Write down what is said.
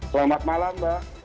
selamat malam mbak